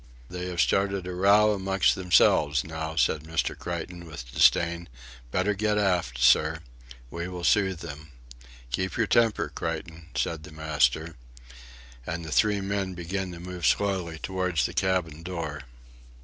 "They have started a row amongst themselves now," said Mr. Creighton with disdain, "better get aft, sir. We will soothe them. "Keep your temper, Creighton," said the master. And the three men began to move slowly towards the cabin door.